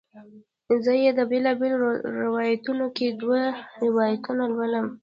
زه یې په بیلابیلو روایتونو کې دوه روایتونه لولم.